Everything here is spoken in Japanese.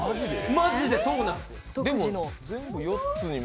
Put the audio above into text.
マジでそうなんですよ。